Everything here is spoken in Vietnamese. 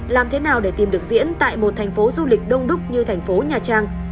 làm thế nào để tìm được diễn tại một thành phố du lịch đông đúc như thành phố nhà trang